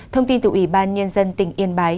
thông tin từ ủy ban nhân dân tỉnh yên bái